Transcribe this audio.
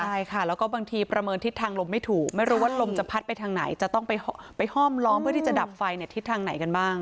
ใช่ค่ะแล้วก็บางทีประเมินทิศทางลมไม่ถูกไม่รู้ว่าลมจะพัดไปทางไหนจะต้องไปห้อมล้อมเพื่อที่จะดับไฟทิศทางไหนกันบ้าง